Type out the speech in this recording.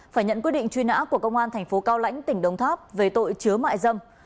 phải nhận quyết định truy nã của công an thành phố cao lãnh tỉnh đồng tháp về tội chứa mại dâm